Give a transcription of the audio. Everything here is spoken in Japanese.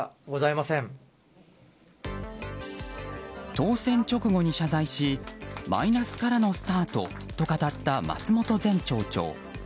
当選直後に謝罪しマイナスからのスタートと語った松本前町長。